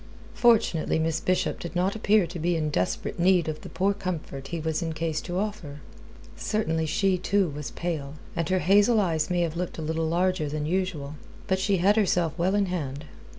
Fortunately Miss Bishop did not appear to be in desperate need of the poor comfort he was in case to offer. Certainly she, too, was pale, and her hazel eyes may have looked a little larger than usual. But she had herself well in hand.